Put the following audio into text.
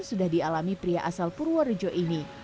sudah dialami pria asal purworejo ini